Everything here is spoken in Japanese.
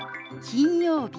「金曜日」。